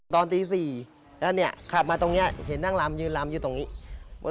ตอนตี๔แล้วเนี่ยขับมาตรงนี้เห็นนางลำยืนลำอยู่ตรงนี้